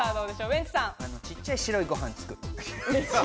ちっちゃい白いご飯つく。